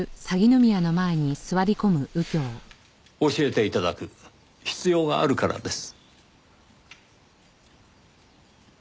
教えて頂く必要があるからです。